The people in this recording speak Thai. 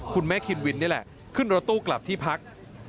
คุณแม่คินวินนี่แหละขึ้นรถตู้กลับที่พัก